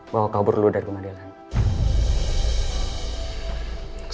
bawa kabur dulu dari kemahdilannya